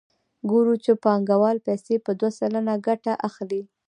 ګورو چې بانکوال پیسې په دوه سلنه ګټه اخلي